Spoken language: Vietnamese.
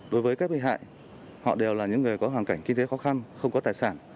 đối với các bị hại họ đều là những người có hoàn cảnh kinh tế khó khăn không có tài sản